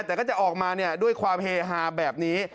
แต่ก็จะออกมาด้วยความเฮฮาแบบนี้